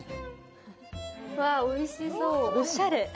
わあ、おいしそう、おしゃれ。